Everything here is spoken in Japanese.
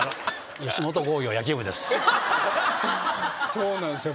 そうなんすよ。